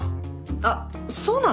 あっそうなの？